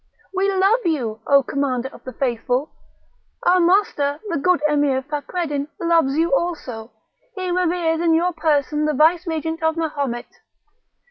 We love you, O Commander of the Faithful! our master, the good Emir Fakreddin, loves you also; he reveres in your person the vicegerent of Mahomet.